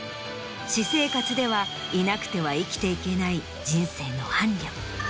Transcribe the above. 私生活ではいなくては生きていけない人生の伴侶。